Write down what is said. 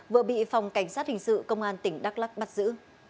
vừa bị phòng cảnh sát hình sự công an tỉnh đắk lắc bắt giữ